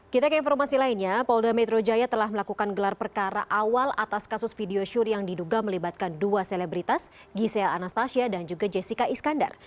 kita ke informasi lainnya polda metro jaya telah melakukan gelar perkara awal atas kasus video syur yang diduga melibatkan dua selebritas gisela anastasia dan juga jessica iskandar